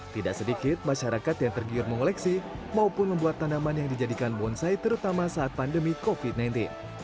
tidak sedikit masyarakat yang tergiur mengoleksi maupun membuat tanaman yang dijadikan bonsai terutama saat pandemi covid sembilan belas